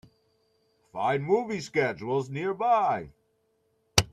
Find movie schedules nearby.